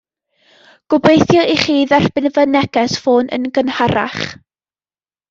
Gobeithio i chi dderbyn fy neges ffôn yn gynharach